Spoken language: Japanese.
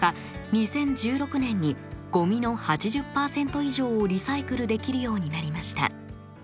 ２０１６年にごみの８０％以上をリサイクルできるようになりました。